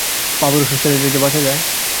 বাবার অসুখ সারিলে যে বাঁচা যায়!